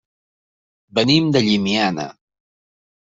Venim de Llimiana.